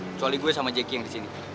kecuali gue sama jacky yang di sini